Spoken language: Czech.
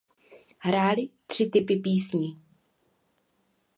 Hráli tři typy písní.